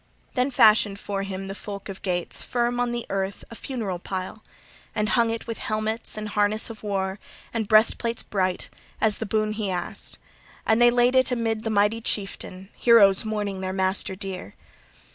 XLI THEN fashioned for him the folk of Geats firm on the earth a funeral pile, and hung it with helmets and harness of war and breastplates bright, as the boon he asked; and they laid amid it the mighty chieftain, heroes mourning their master dear.